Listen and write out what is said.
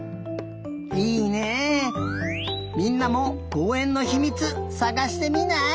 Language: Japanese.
みんなもこうえんのひみつさがしてみない？